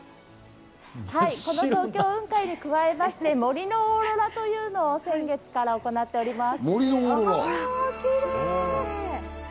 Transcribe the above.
この東京雲海に加えまして、森のオーロラというのを先月から行っております。